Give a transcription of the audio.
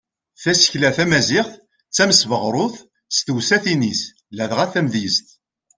Tasekla tamaziɣt d tamesbeɣrut s tewsatin-is ladɣa tamedyazt.